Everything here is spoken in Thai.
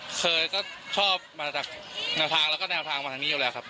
เคยก็ชอบมาจากแนวทางแล้วก็แนวทางมาทางนี้อยู่แล้วครับ